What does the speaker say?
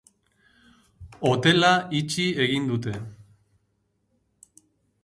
Hotela itxi egin dute.